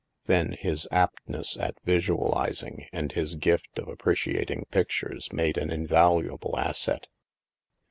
Then, his aptness at visualizing and his gift of appreciating pictures made an invaluable asset.